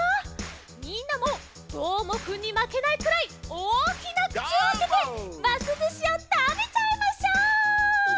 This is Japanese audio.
みんなもどーもくんにまけないくらいおおきなくちをあけてますずしをたべちゃいましょう！